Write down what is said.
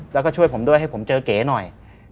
แล้วก็ช่วยผมด้วยให้ผมเจอเก๋หน่อย